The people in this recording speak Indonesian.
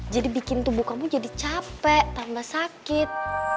jadi bikin tubuh kamu jadi capek tambah sakit